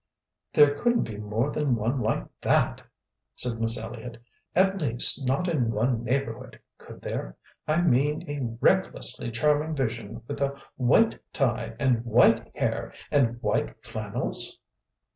"There couldn't be more than one like THAT," said Miss Elliott, "at least, not in one neighbourhood, could there? I mean a RECKLESSLY charming vision with a WHITE tie and WHITE hair and WHITE flannels."